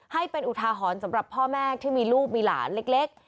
ให้เป็นอุทาหรณ์สำหรับพ่อแม่ที่มีลูกมีหลานเล็ก